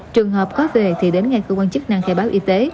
trường hợp có về thì đến ngay cơ quan chức năng khai báo y tế